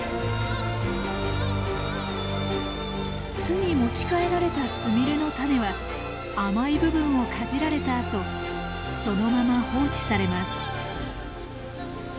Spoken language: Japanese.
巣に持ち帰られたスミレのタネは甘い部分をかじられたあとそのまま放置されます。